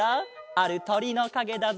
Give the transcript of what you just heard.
あるとりのかげだぞ。